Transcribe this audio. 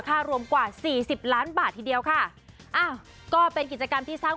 คนในบ้านก็ก็มีดูบ้าง